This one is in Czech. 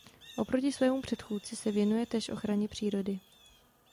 Oproti svému předchůdci se věnuje též ochraně přírody.